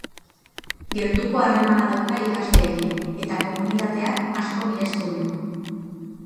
Gertuko harremana dauka ikasleekin eta komunitateak asko miresten du.